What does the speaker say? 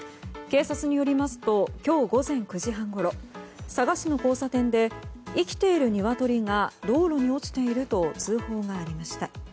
警察によりますと今日午前９時半ごろ佐賀市の交差点で生きているニワトリが道路に落ちていると通報がありました。